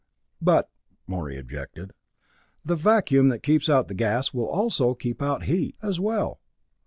"But," Morey objected, "the vacuum that keeps out the gas will also keep out heat, as well!